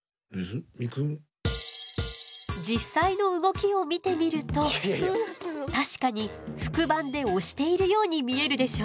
実際の動きを見てみると確かに腹板で押しているように見えるでしょ。